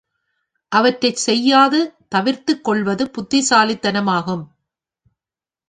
அவற்றைச் செய்யாது தவிர்த்துக் கொள்வது புத்திசாலித்தனமாகும்.